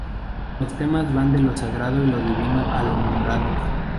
Los temas van de lo sagrado y divino a lo mundano.